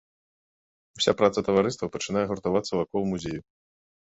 Уся праца таварыства пачынае гуртавацца вакол музею.